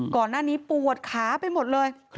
ก่อนหน้านี้ปวดขาไปหมดเลย